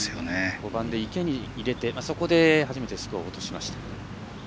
５番で池に入れてそこで初めてスコアを落としました。